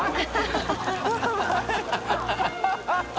ハハハ